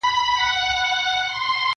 کله کله او حتی اکثر وختونه -